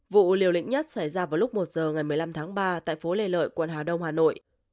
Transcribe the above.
vụ liều lĩnh nhất xảy ra vào lúc một giờ ngày một mươi năm tháng ba tại phố lê lợi quận hà đông hà nội